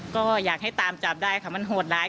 ๔โมงยิงเข้าเข้างานตี๔